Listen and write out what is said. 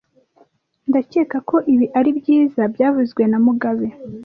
Ndakeka ko ibi ari byiza byavuzwe na mugabe